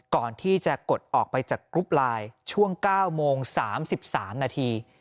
ก่อนที่จะกดออกไปจากกรุ๊ปไลน์ช่วง๙โมง๓๓นาที